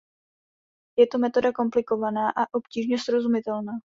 Je to metoda komplikovaná a obtížně srozumitelná.